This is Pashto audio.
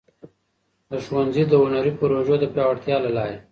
د ښونځي د هنري پروژو د پیاوړتیا له لارې.